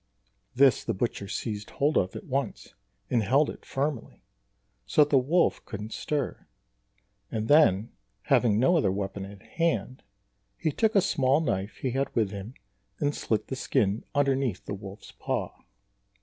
This the butcher seized hold of at once, and held it firmly, so that the wolf couldn't stir; and then, having no other weapon at hand, he took a small knife he had with him and slit the skin underneath the wolf's paw.